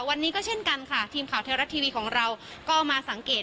วันนี้ก็เช่นกันค่ะทีมข่าวไทยรัฐทีวีของเราก็มาสังเกต